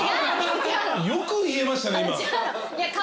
よく言えましたね